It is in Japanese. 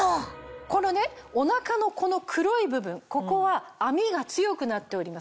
このねお腹のこの黒い部分ここは編みが強くなっております。